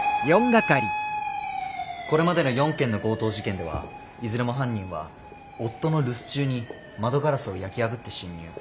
これまでの４件の強盗事件ではいずれも犯人は夫の留守中に窓ガラスを焼き破って侵入。